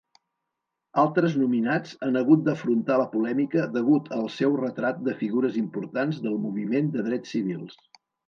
Altres nominats han hagut d'afrontar la polèmica degut al seu retrat de figures importants del moviment de drets civils..